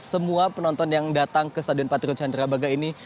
semua penonton yang datang ke stadion patriot candrabaga ini